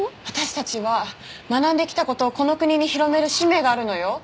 私たちは学んできた事をこの国に広める使命があるのよ。